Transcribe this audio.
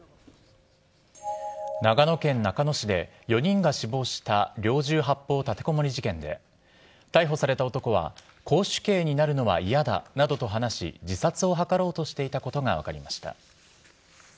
長野県中野市で、４人が死亡した猟銃発砲立てこもり事件で、逮捕された男は、絞首刑になるのは嫌だなどと話し、自殺を図ろうとしていたことが分かりました。